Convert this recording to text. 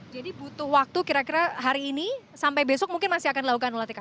jadi butuh waktu kira kira hari ini sampai besok mungkin masih akan dilakukan ulat ikan